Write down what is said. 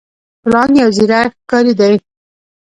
پړانګ یو زیرک ښکاری دی.